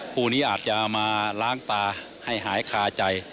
คู่นี้อาจจะมาล้างตาให้หายคาใจ